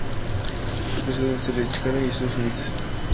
Se ha especializado en historia chicana y estudios feministas.